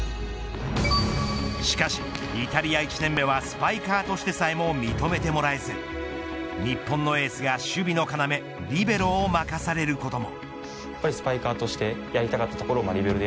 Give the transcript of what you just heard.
しかし、イタリア１年目はスパイカーとしてさえも認めてもらえず日本のエースが守備の要リベロを任されることも。